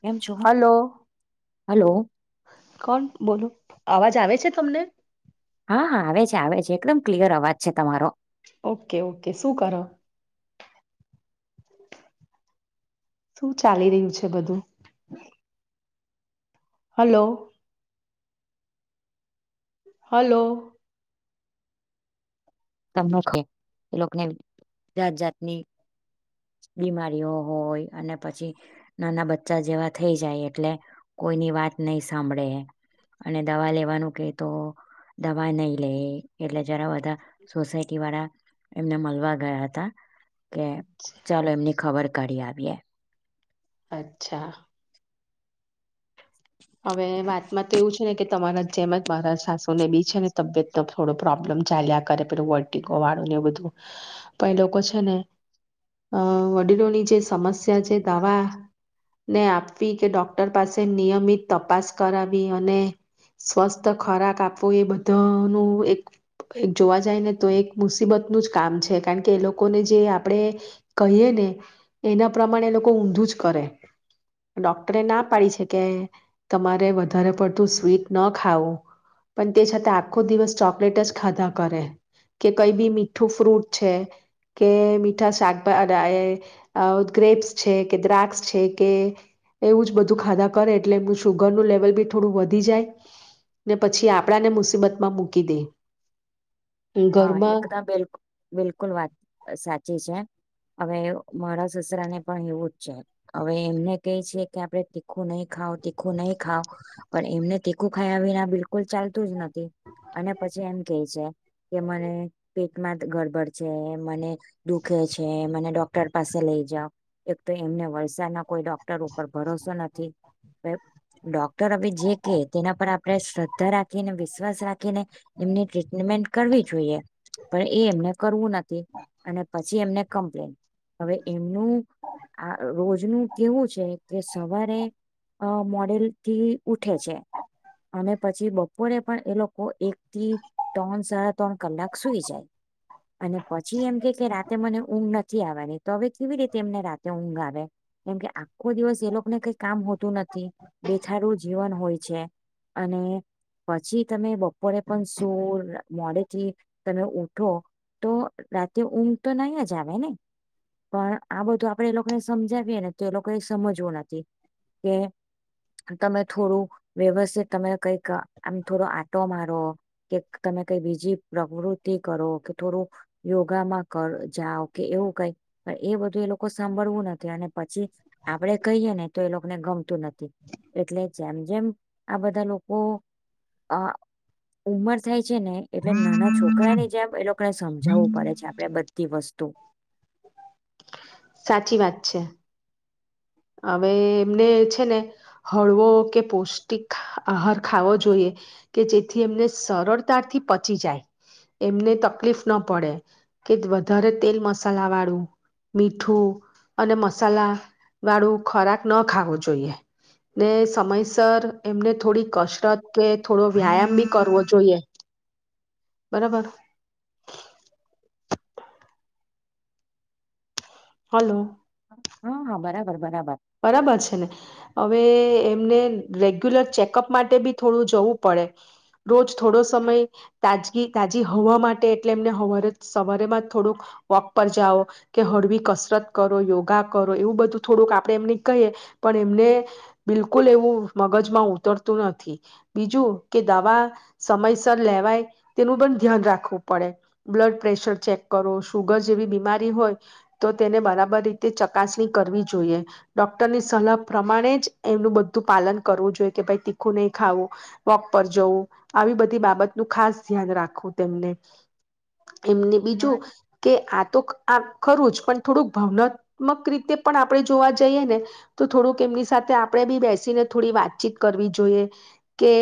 કેમ છો? Hello hello. કોણ બોલો અવાજ આવે છે તમને? હા હા આવે છે આવે છે એકદમ ક્લિયર અવાજ છે તમારો. ઓકે ઓકે શું કરો? શું ચાલી રહ્યું છે બધું? હલો. હલો. એ લોકોને જાત જાતની બીમારીઓ હોય અને પછી, નાના બચ્ચા જેવા થઈ જાય એટલે, કોઈની વાત નહી સાંભળે, અને દવા લેવાનું કે તો દવા નહી લે, એટલે જરા બધા સોસાયટી વાળા એમને મળવા ગયા હતા. કે ચાલો એમની ખબર કાઢી આવીએ. અચ્છા. હવે વાતમાં તો એવું છે ને કે તમારા જેમ જ મારા સાસુને બી છે ને તબિયત થોડો પ્રોબ્લેમ ચાલ્યા કરે પેલુ વટીકો વાળુંને એ બધું, પણ એ લોકો છે ને વડીલોની જે સમસ્યા જે દવા ને આપવી કે ડોક્ટર પાસે નિયમિત તપાસ કરાવી અને, સ્વસ્થ ખોરાક આપવો એ બધાનું એક જોવા જાય ને તો એક મુસીબતનું જ કામ છે કારણ કે એ લોકોને જે આપણેે, કહીએ ને, એના પ્રમાણે એ લોકો ઊંધું જ કરે, ડોક્ટરે ના પાડી છે કે તમારે વધારે પડતું સ્વીટ ન ખાવું, પણ તે છતા આખો દિવસ ચોકલેટ જ ખાધા કરે, કે કઈ બી મીઠું ફ્રૂટ છે કે મીઠા શાકભા ગ્રેપ્સ છે કે દ્રાક્ષ છે કે એવું જ બધું ખાધા કરે એટલે એમ શુગરનું લેવલ બી થોડું વધી જાય, ને પછી આપણાને મુસીબતમાં મૂકી દે. હા ઘરમાં એકદમ બિલ બિલકુલ વાત સાચી છે. હવે મારા સસરાને પણ એવું જ છે, હવે એમને કહે છે કે આપણે તીખું નહી ખાવ તીખું નહી ખાવ, પણ એમને તીખું ખાયા વિના બિલકુલ ચાલતું જ નથી, અને પછી એમ કે છે. કે મને પેટમાં ગડબડ છે મને, દુખે છે મને ડોક્ટર પાસે લઈ જાવ, એક તો એમને વલસાદના કોઈ ડોક્ટર ઉપર ભરોસો નથી, ડોક્ટર અ જે કે તેના પર આપણે શ્રદ્ધા રાખીને વિશ્વાસ રા ને એમની ટ્રીટમેન્ટ જોઈએ પણ એ એમને કરવું નથી અને પછી લેન ને કમ્પ્લેન, એમનું રોજનું કેવું છે કે સવારે મોડે થી ઉઠે છે, અને પછી બપોરે પણ એ લોકો એકથી ત્રણ સાડા ત્રણ કલાક સુઈ જાય, અને પછી એમ કે કે રાતે મને ઊંઘ નથી આવવાની તો હવે કેવી રીતે એમને રાતે ઊંઘ આવે, કેમ કે આખો દિવસ એ લોકોને કઈ કામ હોતું નથી, બેથારું જીવન હોય છે, અને પછી તમે બપોરે પણ સોવ મોડે થી, તમે ઊઠો તો રાતે ઊંઘ તો નહી જ આવે ને, પણ આ બધું આપડે એ લોકોને સમજાવીએ ને તો એ લોકો એ સમજવું નથી, કે તમે થોડું વ્યવસ્થિત તમે કઈક આમ થોડો આટો મારો કે તમે કઈ બીજી પ્રવૃત્તિ કરો કે થોડું, યોગામાં કર જાઓ કે એવું કઈ પણ એ બધું એ લોકો સાંભળવું નથી અને પછી, આપડે કહીએ ને તો એ લોકોને ગમતું નથી, એટલે જેમ જેમ આ બધા લોકો અ ઉમર છે ને એટલે નાના છોકરાની જેમ એ લોકોને સમજાવવું પડે છે આપડે બધી વસ્તુ. તું. સાચી વાત છે. હવે એમને છે ને, હળવો કે પૌષ્ટિક આહાર ખાવો જોઈએ, કે જેથી એમને સરળતાથી પચી જાય, એમને તકલીફ ના પડે, કે વધારે તેલ મસાલા વાળું મીઠું અને મસાલા. વાળું ખોરાક ન ખાવો જોઈએ, ને સમયસર એમને થોડી કસરત કે થોડો વ્યાયામ બી કરવો જોઈએ, બરાબર. હાલો. હા હા બરાબર બરાબર. બરાબર છે ને. હવે એમને રેગ્યુલર ચેકઅપ માટે બી થોડું જવું પડે. રોજ થોડો સમય તાજગી તાજી હવા માટે એટલે એમને હવારે સવારેમાં થોડુંક વોક પર જાઓ કે હળવી કસરત કરો, યોગા કરો એવું બધું થોડુંક આપ એમને કહીએ પણ એમને બિલકુલ એવું મગજમાં ઉતરતું નથી. બીજું કે દવા સમયસર લેવાય તેનું પણ ધ્યાન રાખવું પડે બ્લડ પ્રેશર ચેક કરો, સુુગર જેવી બીમારી હોય તો તેને બરાબર રીતે ચકાસણી કરવી જોઈએ. ડોક્ટરની સલાહ પ્રમાણે જ એમનું બધું પાલન કરવું જોઈએ કે ભાઈ તીખું નહી ખાવું, વોક પર જવું, આવી બધી બાબતનુ ખાસ ધ્યાન રાખવું તેમને. એમને હા બીજું, કે આ તો આ ખરું જ પણ થોડુંક ભાવનાત્મક રીતે પણ આપણે જોવા જઈએ ને તો થોડુંક એમની સાથે આપણે બી બેસીને થોડી વાતચીત કરવી જોઈએ કે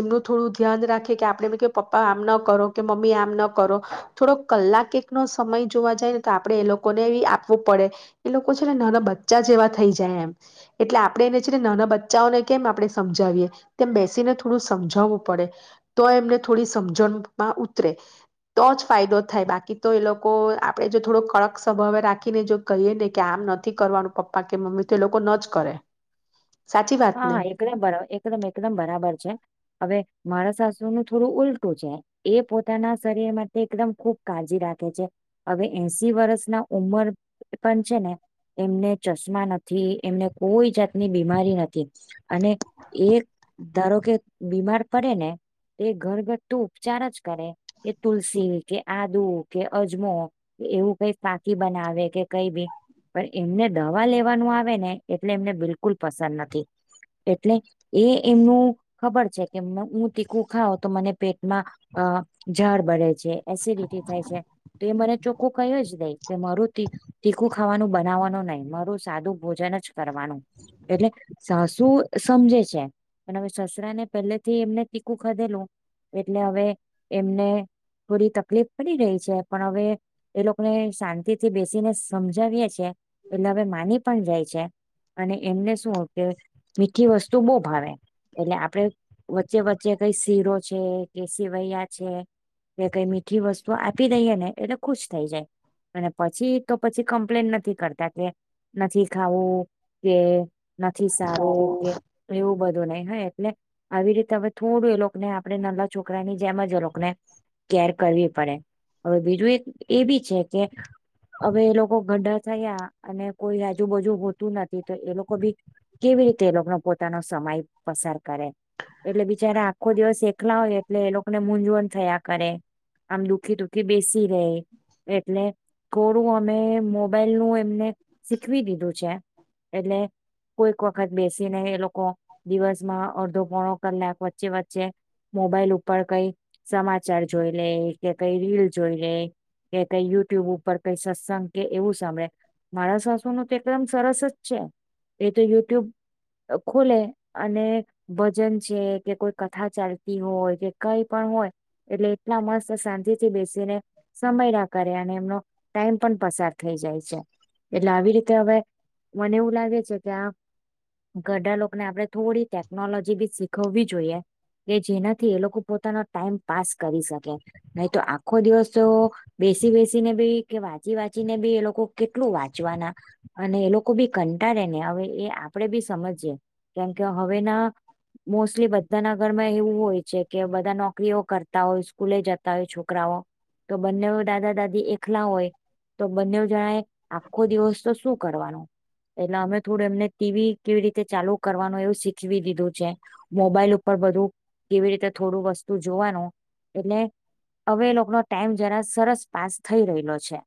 એમનું થોડું ધ્યાન રાખીએ કે આપણેે પપ્પા આમ ના કરો કે મમ્મી આમ ના કરો થોડો કલાક એક નો સમય જોવા જાય ને તો આપડે એ લોકોને આપવું પડે એ લોકો છે ને ના બ ચા જેવા થઈ જાય એમ એટલે આપણે એને છેને નાના બચ્ચાઓને કેમ આપણે સમજાવીએ તેમ બેસીને થોડું સમજાવવું પડે. તો એમને થોડી સમજણમાં ઉતરે તો જ ફાયદો થાય બાકી તો એ લોકો આપડે જો થોડો કડક સ્વભાવે રાખીને જો કહીએ ને કે આમ નથી કરવાનું. પપ્પા કે મમ્મી તો એ લોકો ન જ કરે. સાચી વાત ને હા એકદમરા એકદમ એકદમ બરાબર છે હવે મારા સા નું થોડું ઉલટું છે એ પોતાના શરીર માટે એકદમ ખુબ કાળજી રાખે છે. હવે એસી વર્ષ ના ઉમર પણ છે ને એમને ચશ્મા નથી, એમને કોઈ જાતની બીમારી ન અને એ ધારો કે બીમાર પડે ને તે ઘર ઘર તું ઉપચાર જ કરે એ તુલસી કે આદુ કે અજમો એવું કઈ પાકી બનાવે કે કઈ બી પણ એમને દવા લેવાનું આવે ને એટલે એમને બિલકુલ પસંદ નથી. એટલે એ એમનું ખબર છે કે હું તીખું ખાાવ તો મને પેટમાં અ ઝાડ બળે છે, એસિડિટી થાય છે તો એ મને ચોખું કઈ જ દે કે મારું તી તીખું ખાવાનું બનાવવાનું નહી. મારું સાદું ભોજન જ કરવાનું. એટલે સાસુ સમજે છે પણ હવે સસરા ને પહેલેથી એમને ટીકું ખાધેલું એટલે હવે એમને થોડી તકલીફ પડી રહી છે પણ હવે એ લોકોને શાં તી થી બેસીને સમજાવીએ છેએ એટલે હવે માની પણ જાય છે અને એમને શું કે મીઠી વસ્તુ બહુ ભાવે એટલે આપણેે વચ્ચે વચ્ચે કઈ શીરો છે કે સેવૈયા છે કે કઈ મીઠી વસ્તુ આપી દઈએ ને એટલે ખુશ થઈ જાય અને પછી તો પછી કમ્પ્લેન નથી કરતા કે નથી ખાવું કે નથી સારું કે એવું બ નહી હોય એટલે આવી રીતે હવે થોડું એ લોકોને આપણે નાના છોકરાની જેમ જ એ લોકોને કેર કરવી પડે હવે. બીજું એક એ બી છે કે હવે એ લોકો ગડા થયા અને કોઈ આજુબાજુ હોતું નથી તો એ લોકો બી કેવી રીતે એ લોકોનો પોતાનો સમય પસાર કરે. એટલે બિચારા આખો દિવસ એકલા હોય એટલે એ લોકોને મૂઝવણ થયા કરે. આમ દુઃખી દુખી બેસી રહેે એટલે થોડું અમે મોબાઈલ નું એમને શીખવી દીધું છે એટલે કોઈક વખત બેસીને એ લોકો દિવસમાં અડધો પોણો કલાક વચ્ચે વચ્ચે મોબાઈલ ઉપર કઈ સમાચાર જોઈ લે કે કઈ રીલ જોઈ લે કે કઈ યુટ્યુબ ઉપર કઈ સત્સંગ કે એવું સાંભળે. મારા સાસુ ન તો એકદમ સરસ જ છે. એ તો યુટ્યુબ ખોલે અને ભજન છે કે કોઈ કથા ચાલતી હોય કે કઈ પણ હોય એટલે એટલા મસ્ત શાંતિ થી બેસીને સમય ના કરે અને એમનો ટાઈમ પણ પસાર થઈ જાય છે. એટલે આવી રીતે હવે મને એવું લાગે છે. ત્યાં ઘરડા લોકને આપણે થોડી ટેકનોલોજી બી શીખવવી જોઈએ. કે જેનાથી એ લોકો પોતાનો ટાઈમ પાસ કરી શકે. નહી તો આખો દિવસ તો બેસી બેસીને બી કે વાંચી વાંચીને બી એ લોકો કેટલું વાંચવાના અને એ લોકો બી કંટાળે ને હવે એ આપડે બી સમજીએ કેમકે હવે ના મોસ્ટલી બધાના ઘરમાં એવું હોય છે કે બધા નોકરીઓ કરતા હોય, સ્કૂલે જતા હોય, છોકરાઓ તો બંને દાદા દાદી એકલા હોય તો બંને જણાએ આખો દિવસ તો શું કરવાનું એટલે અમે થોડું એમને ટીવી કેવી રીતે ચાલુ કરવાનું એવું શીખવી દીધું છે, મોબાઈલ ઉપર બધું કેવી રીતે થોડું વસ્તુ જોવાનું એટલે હવે લોકોનો ટાઈમ જરા સરસ પાસ થઈ રહેલો છે.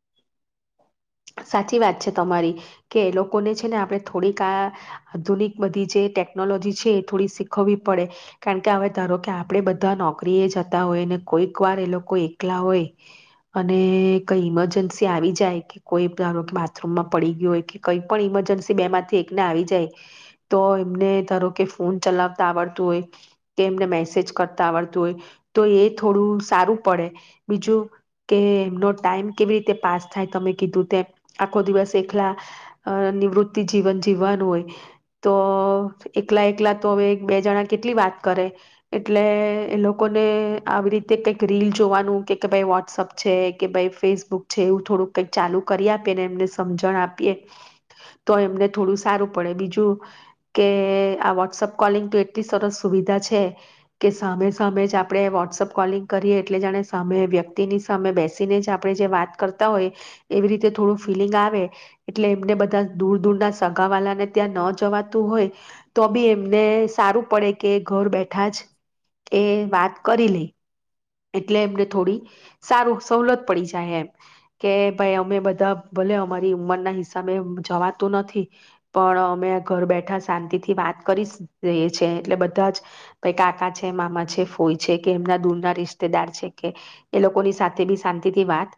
સાચી વાત છે તમારી કે એ લોકોને છે ને આપણે થોડીક આ આધુનિક બધી જે ટેકનોલોજી છે એ થોડી શીખવવી પડે કારણ કે હવે ધારો કે આપણે બધા નોકરીએ જતા હોય ને કોઈક વાર એ લોકો એકલા હોય અને કઈ ઈમરજન્સી આવી જાય જાય કે કોઈ ધારો કે બાથરૂમમાં પડી ગયું હોય કે કઈ પણ ઈમરજન્સી બે માંથી એકને આવી જાય તો એમને ધારો કે ફોન ચલાવતા આવડતું હોય કે એમને મેસેજ કરતા આવડતું હોય તો એ થોડું સારું પડે બીજું કે એમનો ટાઈમ કેવી રીતે પાસ થાય તમે કીધું તેમ આખો દિવસ એકલા અ નિવૃત્તિ જીવન જીવવાનું હોય તો એકલા એકલા તો હવે બે જણા કેટલી વાત કરે એટલે એ લોકોને આવી રીતે કઈક રીલ જોવાનું કે ભાઈ વોટ્સઅપ છે, કે ભાઈ ફેસબુક છે એવું થોડું કંઈક ચાલુ કરી આપીએ ને એમને સમજણ આપીએ તો એમને થોડું સારું પડે. બીજું કે આ વોટ્સઅપ કોલિંગ તો એટલી સરસ સુવિધા છે કે સામે સામે જ આપણે વોટ્સઅપ કોલિંગ કરીએ એટલે જાણે સામે વ્યક્તિની સામે બેસીને જ આપણેે જે વાત કરતા હોય એવી રીતે થોડું ફિલિંગ આવે એટલે એમને બધા દૂર દૂર ના સગાવાલાને ત્યાં ન જવાતું હોય તો બી એમને સારું પડે કે ઘર બેઠા જ એ વાત કરી લે. એટલે એમને થોડી સારું સવલત પડી જાય એમ કે ભાઈ અમે બધા ભલે અમારી ઉંમરના હિસાબે જવાતું નથી. પણ અમે ઘર બેઠા શાંતિથી વાત કરી જઈએ છે એટલે બધા જ કાકા છે, મામા છે, ફોય છે, કે એમના દૂરના રિશ તેદાર છે કે એ લોકોની સાથે બી શાંતિથી વાત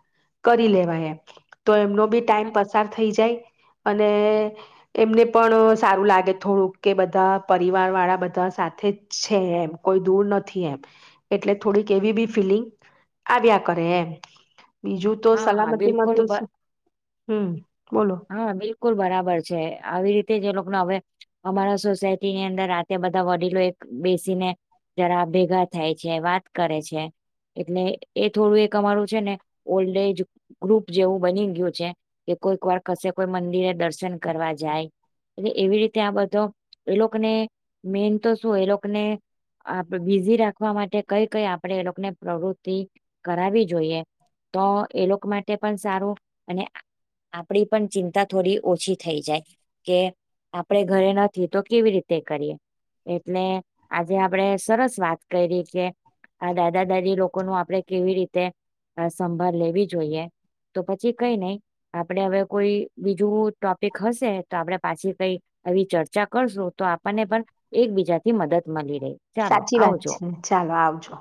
કરી લેવાય એમ તો એમનો બી ટાઈમ પસાર થઈ જાય. અને એમને પણ સારું લાગે થોડુંક કે બધા પરિવાર વાળા બધા સાથે જ છે એમ કોઈ દૂર નથી એમ એટલે થોડીક કેવી બી ફીલિંગ આવ્યા કરે એમ બીજું તો હા હા સલામતી માં તો બિલકુલ બ શું હમ બોલો હા બિલકુલ બરાબર છે આવી રીતે જ એ લોકને હવે અમારા સોસાયટીની અંદર આતે બધા વડીલો એક બેસીને જરા ભેગા થાય છે, વાત કરે છે, એટલે એ થોડું એક અમારું છે ને ઓલ્ડ એજ ગ્રુપ જેવું બની ગયું છે કે કોઈક વાર કસે કોઈ મંદિરે દર્શન કરવા જાય. એટલે એવી રીતે આ બધો એ લોકને મેન તો શું એ લોકને આપણે બીઝી રાખવા માટે કઈ કઈ આપણે એ લોકને પ્રવૃતિ કરાવવી જોઈએ. તો એ લોક માટે પણ સારું અને આપ આપણી પણ ચિંતા થોડી ઓછી થઈ જાય. કે આપણે ઘરે નથી તો કેવી રીતે કરીએ એટલે આજે આપણે સરસ વાત કરી કે આ દાદા દાદી લોકોનું આપણે કેવી રીતે સંભાળ લેવી જોઈએ. તો પછી કંઇ નહીં આપ પણે હવે કોઈ બીજું ટોપિક હશે તો આપણે પાછી કઈ આવી ચર્ચા કરશું. તો આપણને પણ એકબીજાથી મદદ મલી રે. સાચી વાત છે. ચાલો આવજો.